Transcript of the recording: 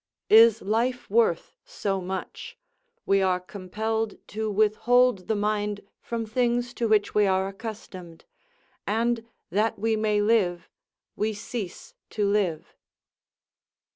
["Is life worth so much? We are compelled to withhold the mind from things to which we are accustomed; and, that we may live, we cease to live